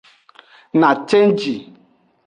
Na cenji.